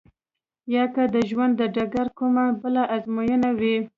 يا که د ژوند د ډګر کومه بله ازموينه وي.